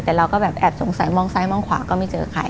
แต่เราก็แบบแอบสงสัยมองซ้ายมองขวาก็ไม่เจอใคร